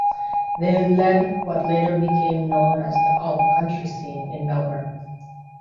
They led what later became known as the alt-country scene in Melbourne.